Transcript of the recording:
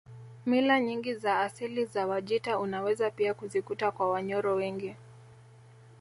Mila nyingi za asili za Wajita unaweza pia kuzikuta kwa Wanyoro wengi